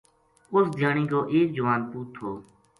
اس دھیانی کو ایک جوان پوت تھو